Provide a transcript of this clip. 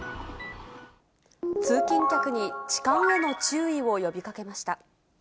通勤客に痴漢への注意を呼びかけました。